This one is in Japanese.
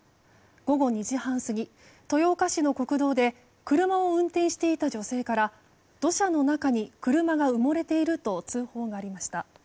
午後２時半過ぎ、豊岡市の国道で車を運転していた女性から土砂の中に車が埋もれていると通報がありました。